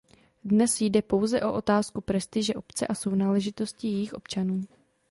Dnes jde pouze o otázku prestiže obce a sounáležitosti jejích občanů.